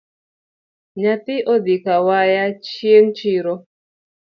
Nyathi odhi kawaya chieng’ chiro